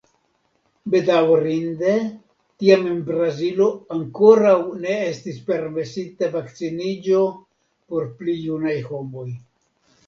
Bedaŭrinde tiam en Brazilo ankoraŭ ne estis permesita vakciniĝo por pli junaj homoj.